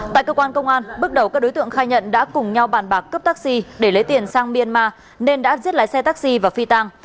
tại cơ quan công an bước đầu các đối tượng khai nhận đã cùng nhau bàn bạc cấp taxi để lấy tiền sang myanmar nên đã giết lái xe taxi và phi tăng